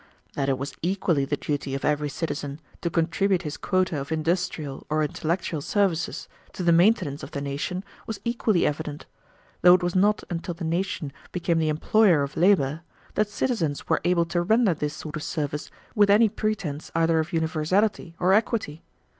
That it was equally the duty of every citizen to contribute his quota of industrial or intellectual services to the maintenance of the nation was equally evident, though it was not until the nation became the employer of labor that citizens were able to render this sort of service with any pretense either of universality or equity.